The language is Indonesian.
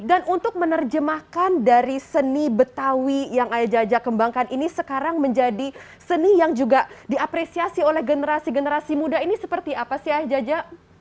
dan untuk menerjemahkan dari seni betawi yang ayah jaja kembangkan ini sekarang menjadi seni yang juga diapresiasi oleh generasi generasi muda ini seperti apa sih ayah jaja